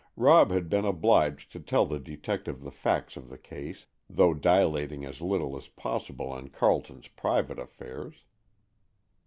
Rob had been obliged to tell the detective the facts of the case, though dilating as little as possible on Carleton's private affairs.